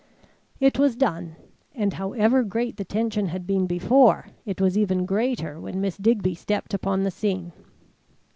It was done, and however great the tension had been before, it was even greater when Miss Digby stepped upon the scene.